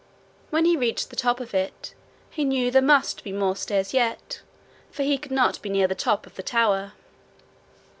When he reached the top of it, he knew there must be more stairs yet, for he could not be near the top of the tower.